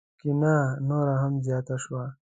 کینه نوره هم زیاته شوه.